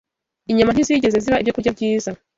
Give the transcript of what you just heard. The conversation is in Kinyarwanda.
Inyama ntizigeze ziba ibyokurya byiza